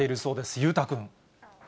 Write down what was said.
裕太君。